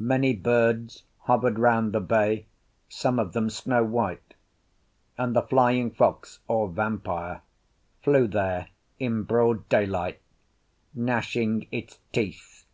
Many birds hovered round the bay, some of them snow white; and the flying fox (or vampire) flew there in broad daylight, gnashing its teeth.